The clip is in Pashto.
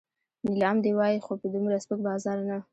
نیلام دې وای خو په دومره سپک بازار نه.